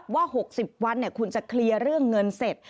ว่า๖๐วันคุณจะเคลียร์เรื่องเงินเสร็จ